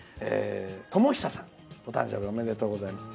ともひささん、お誕生日おめでとうございます。